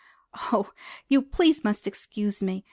"Oh, you please must excuse me!"